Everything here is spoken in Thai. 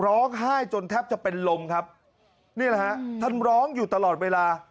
ร้องไห้จนแทบจะเป็นลมครับนี่แหละฮะท่านร้องอยู่ตลอดเวลา